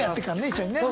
一緒にね。